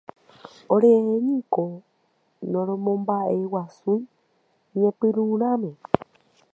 Oréniko noromomba'eguasúi ñepyrũrãme.